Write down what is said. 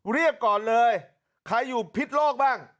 ก่อนเลยใครอยู่พิษโลกบ้าง